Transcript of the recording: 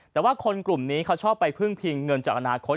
แต่ว่าคนกลุ่มนี้เขาชอบไปพึ่งพิงเงินจากอนาคต